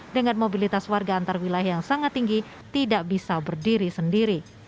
dengan mobilitas warga antar wilayah yang sangat tinggi tidak bisa berdiri sendiri